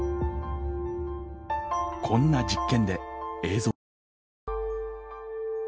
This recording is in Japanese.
こんな実験で映像化した。